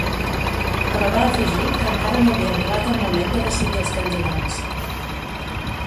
Però va afegir que encara no havia arribat el moment de decidir els candidats.